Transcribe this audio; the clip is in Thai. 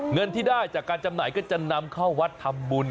เงินที่ได้จากการจำหน่ายก็จะนำเข้าวัดทำบุญ